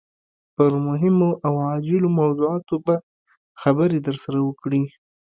پر مهمو او عاجلو موضوعاتو به خبرې درسره وکړي.